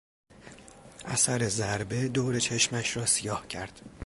اثر ضربه دور چشمش را سیاه کرد.